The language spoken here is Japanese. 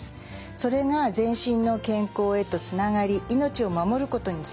それが全身の健康へとつながり命を守ることにつながります。